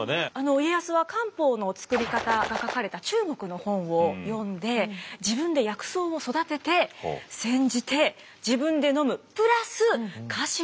家康は漢方の作り方が書かれた中国の本を読んで自分で薬草を育てて煎じて自分でのむプラス家臣にもあげていたと。